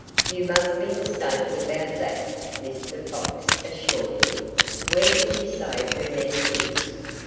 "You must be mistaken about that," Mr. Fox assured him. "Where did you say her nest is?"